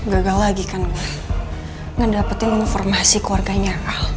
gagal lagi kan ngedapetin informasi keluarganya